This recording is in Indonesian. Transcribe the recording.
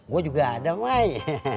gue juga ada mai